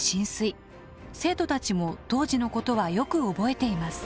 生徒たちも当時のことはよく覚えています。